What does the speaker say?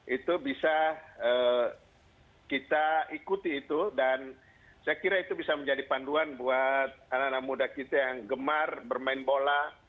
itu bisa kita ikuti itu dan saya kira itu bisa menjadi panduan buat anak anak muda kita yang gemar bermain bola